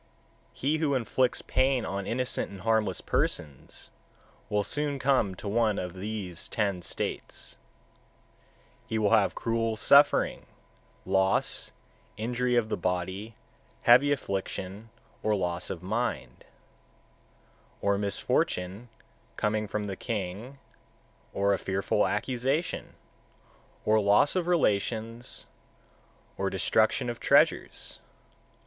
137. He who inflicts pain on innocent and harmless persons, will soon come to one of these ten states: 138. He will have cruel suffering, loss, injury of the body, heavy affliction, or loss of mind, 139. Or a misfortune coming from the king, or a fearful accusation, or loss of relations, or destruction of treasures, 140.